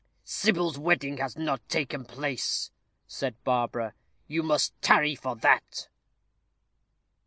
"Sybil's wedding has not taken place," said Barbara; "you must tarry for that."